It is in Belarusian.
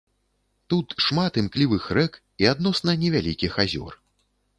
Тут шмат імклівых рэк і адносна невялікіх азёр.